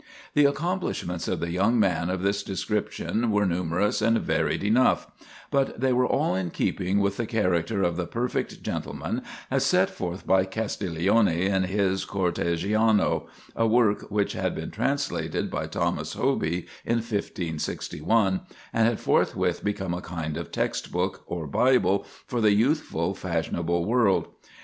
The accomplishments of the young man of this description were numerous and varied enough; but they were all in keeping with the character of the perfect gentleman as set forth by Castiglione in his "Cortegiano," a work which had been translated by Thomas Hoby in 1561, and had forthwith become a kind of text book or Bible for the youthful fashionable world.